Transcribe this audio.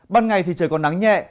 ban ngày thì trời còn nắng nhẹ